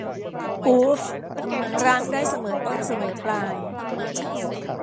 กรู๊ฟ ร้างได้เสมอต้นเสมอปลาย